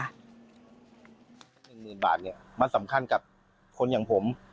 หนึ่งหมื่นบาทเนี่ยมันสำคัญกับคนอย่างผม